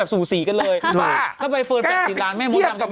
พี่กี้ะกบมันเนอะ